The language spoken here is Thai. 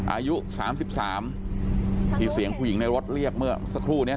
อายุ๓๓ไทยที่เสียงผู้หญิงในรถเลียกเมื่อก่อนสักครู่เลยครับ